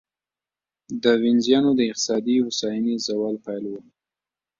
دا د وینزیانو د اقتصادي هوساینې د زوال پیل و